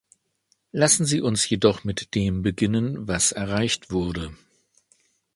Lassen Sie uns jedoch mit dem beginnen, was erreicht wurde.